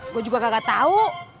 gua juga gak tau